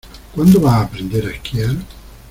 ¿Cuándo vas aprender a esquiar?